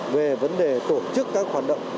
về vấn đề tổ chức các hoạt động